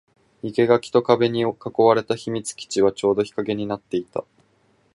生垣と壁に囲われた秘密基地はちょうど日陰になっていた